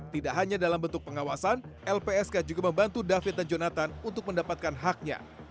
tidak hanya dalam bentuk pengawasan lpsk juga membantu david dan jonathan untuk mendapatkan haknya